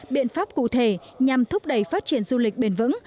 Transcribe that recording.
biện pháp cụ thể nhằm thúc đẩy phát triển du lịch bền vững